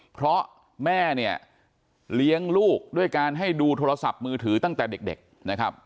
เพราะแม่เนี่ยเลี้ยงลูกด้วยการให้ดูโทรศัพท์มือถือตั้งแต่เด็กนะครับ